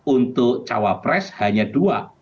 untuk cawapres hanya dua